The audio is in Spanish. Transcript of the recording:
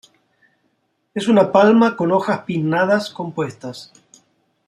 Es una palma con hojas pinnadas compuestas.